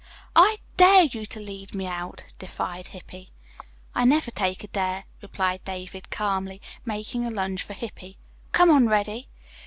"I dare you to lead me out," defied Hippy. "I never take a dare," replied David calmly, making a lunge for Hippy. "Come on, Reddy."